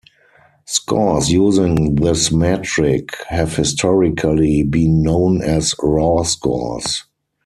Scores using this metric have historically been known as "raw" scores.